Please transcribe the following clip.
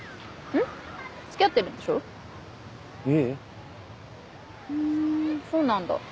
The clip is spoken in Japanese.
ふんそうなんだ